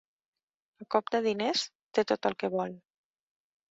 A cop de diners té tot el que vol.